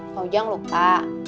kau jangan lupa